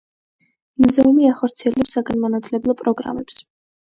მუზეუმი ახორციელებს საგანმანათლებლო პროგრამებს.